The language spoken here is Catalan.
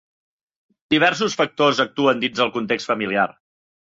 Diversos factors actuen dins el context familiar.